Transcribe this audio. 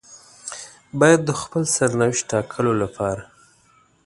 بايد د خپل سرنوشت ټاکلو لپاره.